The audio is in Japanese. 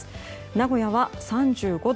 名古屋は３５度。